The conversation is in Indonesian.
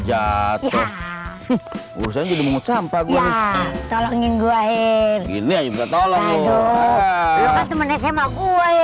jatuh urusan jadi mau sampah gua tolongin gua ini aja tolong